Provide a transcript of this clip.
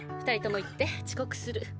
２人とも行って遅刻する。